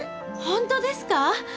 本当ですか？